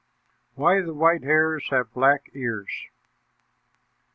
WHY THE WHITE HARES HAVE BLACK EARS.